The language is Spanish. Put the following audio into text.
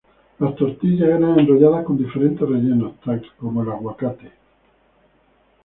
Las tortillas eran enrolladas con diferentes rellenos, tal como el aguacate.